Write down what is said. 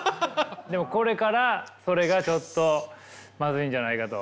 でもこれからそれがちょっとまずいんじゃないかと。